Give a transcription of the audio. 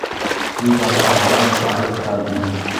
دوی به د افغانانو تاریخ ته ګوري.